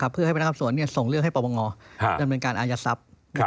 เพื่อให้พนักการสอบสวนส่งเลิกให้ประวงอธนมันการอาญาตรทรัพย์